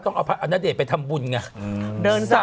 ต้องเอาพระอณเดชน์ไปทำบุญไง